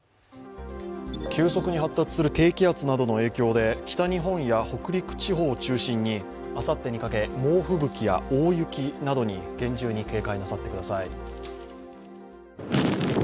急速に発達する低気圧などの影響で北日本や北陸地方を中心にあさってにかけ猛吹雪や大雪などに厳重に警戒なさってください。